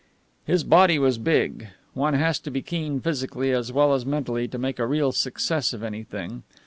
His body was big. One has to be keen physically as well as mentally to make a real success of anything.